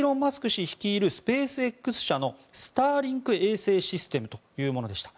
氏率いるスペースＸ社のスターリンク衛星システムというものでした。